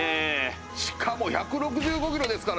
しかも１６５キロですからね